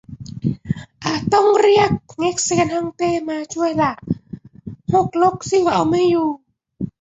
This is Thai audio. อาจต้องเรียกเง็กเซียนฮ่องเต้มาช่วยละ ฮกลกซิ่วเอาไม่อยู่